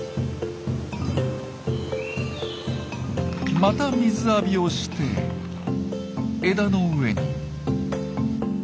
また水浴びをして枝の上に。